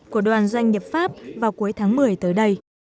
của đoàn doanh nghiệp pháp vào cuối tháng một mươi tới đây